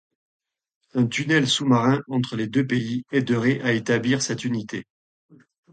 Un tunnel sous-marin entre les deux pays aiderait à établir cette unité.